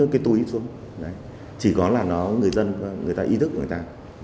cái túi xuống chỉ có là nó người dân người ta ý thức người ta